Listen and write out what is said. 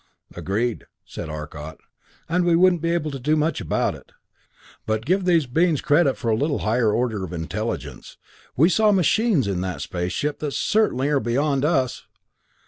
"Agreed," said Arcot, "and we wouldn't be able to do much about it. But give these beings credit for a little higher order of intelligence. We saw machines in that space ship that certainly are beyond us!